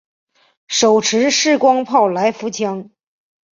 手持式光炮来福枪。